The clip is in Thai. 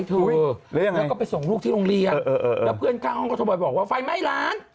แล้วก็ไปส่งลูกที่โรงเรียนแล้วเพื่อนข้างห้องก็โทรไปบอกว่าไฟไหม้ร้าน